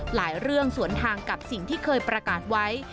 หลายเรื่องสวนทางกับสิ่งที่เคยประกาศไว้